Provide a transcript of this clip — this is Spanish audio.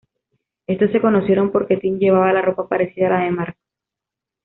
Estos se conocieron porque Tim llevaba la ropa parecida a la de Marko.